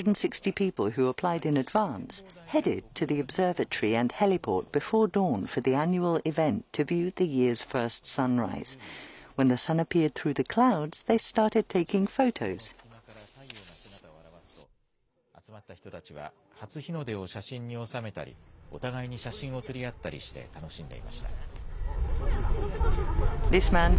そして雲の隙間から太陽が姿を現すと集まった人たちは初日の出を写真に収めたり、お互いに写真を撮り合ったりして楽しんでいました。